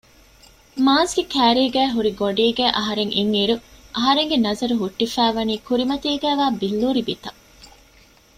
މާޒްގެ ކައިރީގައި ހުރި ގޮނޑީގައި އަހަރެން އިންއިރު އަހަރެންގެ ނަޒަރު ހުއްޓިފައިވަނީ ކުރިމަތީގައިވާ ބިއްލޫރި ބިތަށް